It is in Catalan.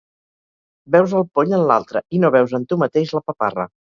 Veus el poll en l'altre, i no veus en tu mateix la paparra.